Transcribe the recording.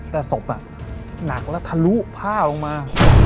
แต่ศพน่ะหนักแล้วทะลุผ้าออกมา